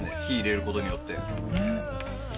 火入れることによって。